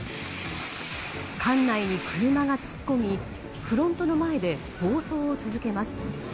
館内に車が突っ込みフロントの前で暴走を続けます。